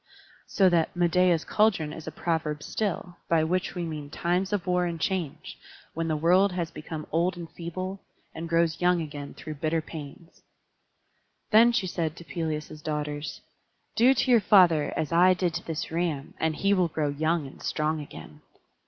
So that "Medeia's cauldron" is a proverb still, by which we mean times of war and change, when the world has become old and feeble, and grows young again through bitter pains. Then she said to Pelias's daughters: "Do to your father as I did to this ram, and he will grow young and strong again."